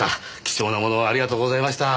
貴重なものをありがとうございました。